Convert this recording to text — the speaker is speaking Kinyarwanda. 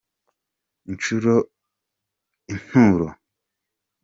inturo.